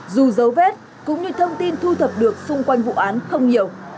dù dấu vết cũng như thông tin thu thập được xung quanh vụ án không nhiều